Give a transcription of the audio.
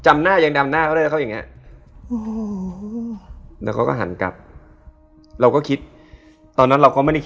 มันจับตัวเราอะ